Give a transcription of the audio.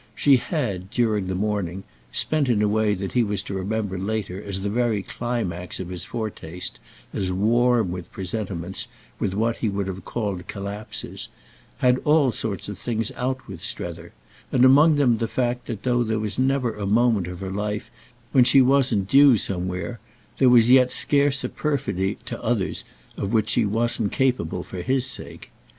She had, during the morning—spent in a way that he was to remember later on as the very climax of his foretaste, as warm with presentiments, with what he would have called collapses—had all sorts of things out with Strether; and among them the fact that though there was never a moment of her life when she wasn't "due" somewhere, there was yet scarce a perfidy to others of which she wasn't capable for his sake.